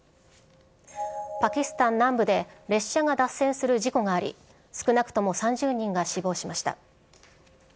パキスタン南部で列車が脱線する事故があり、少なくとも３０人が死亡しました。